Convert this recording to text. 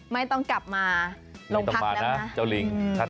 ไม่ต้องกลับมาโรงพักษณ์แล้วนะ